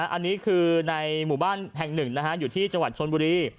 อันนี้คือในหมู่บ้านแห่งหนึ่งอยู่ที่จังหวัดชนบุรี